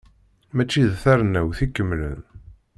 Mačči d tarennawt ikemlen.